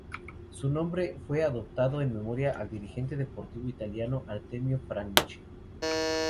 Su nombre fue adoptado en memoria al dirigente deportivo italiano Artemio Franchi.